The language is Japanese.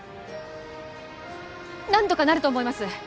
なんとかなると思います